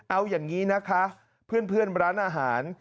เอาอย่างนี้นะคะเพื่อนร้านอาหาร